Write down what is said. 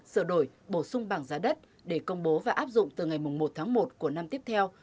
sửa đổi bổ sung bảng giá đất để công bố và áp dụng từ ngày một tháng một của năm tiếp theo